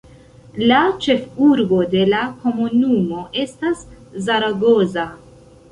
La ĉefurbo de la komunumo estas Zaragoza.